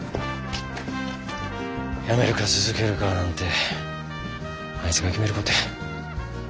辞めるか続けるかなんてあいつが決めることや。